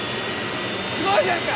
すごいじゃんか。